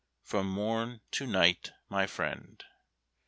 From morn to night, my friend.